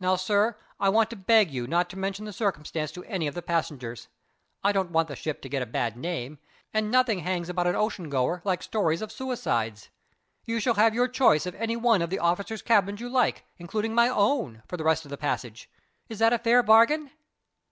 Now, sir, I want to beg you not to mention the circumstance to any of the passengers; I don't want the ship to get a bad name, and nothing hangs about an ocean goer like stories of suicides. You shall have your choice of any one of the officers' cabins you like, including my own, for the rest of the passage. Is that a fair bargain?"